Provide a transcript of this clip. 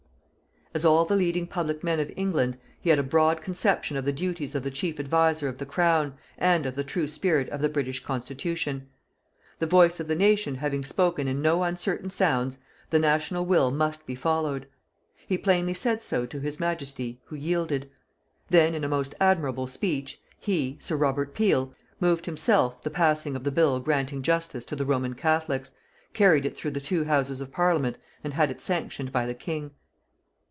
As all the leading public men of England, he had a broad conception of the duties of the chief adviser of the Crown, and of the true spirit of the British constitution. The voice of the nation having spoken in no uncertain sounds, the national will must be followed. He plainly said so to His Majesty who yielded. Then, in a most admirable speech, he Sir Robert Peel moved himself the passing of the bill granting justice to the Roman Catholics, carried it through the two Houses of Parliament and had it sanctioned by the King.